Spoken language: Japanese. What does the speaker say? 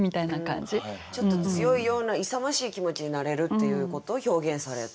ちょっと強いような勇ましい気持ちになれるっていうことを表現された。